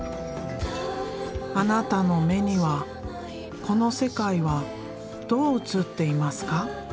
あなたの目にはこの世界はどう映っていますか？